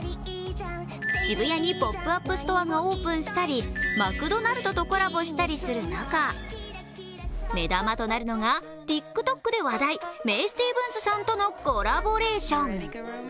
渋谷にポップアップストアがオープンしたりマクドナルドとコラボしたりする中、目玉となるのがＴｉｋＴｏｋで話題メイ・スティーブンスさんとのコラボレーション。